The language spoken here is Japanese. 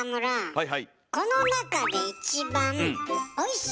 はい。